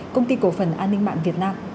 công ty cổ phần an ninh mạng việt nam